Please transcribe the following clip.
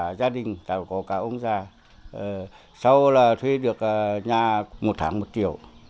cả gia đình cả ông già sau là thuê được nhà một tháng một triệu